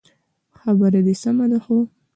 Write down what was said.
خبره دي سمه ده خو